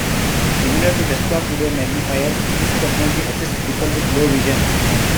Similar to desktop video magnifiers, this technology assists people with low vision.